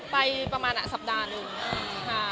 ไปประมาณสัปดาห์หนึ่งค่ะ